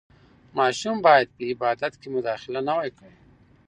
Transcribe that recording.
ماشوم باید په عبادت کې مداخله نه وای کړې.